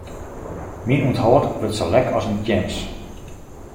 Myn ûnthâld wurdt sa lek as in tjems.